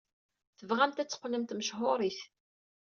Tebɣamt ad teqqlemt mechuṛit.